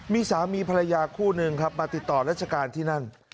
มีสามีภรรยาคู่หนึ่งครับมาติดต่อราชการที่นั่น